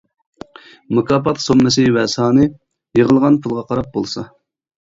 مۇكاپات سوممىسى ۋە سانى : يىغىلغان پۇلغا قاراپ بولسا.